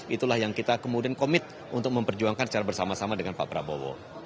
itulah yang kita kemudian komit untuk memperjuangkan secara bersama sama dengan pak prabowo